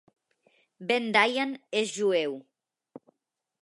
Ben Dayan és jueu.